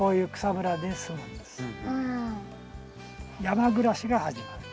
山暮らしが始まる。